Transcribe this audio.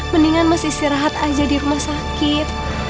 mendingan mesti istirahat aja di rumah sakit